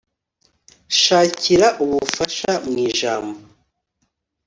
Shakira ubufasha mu Ijambo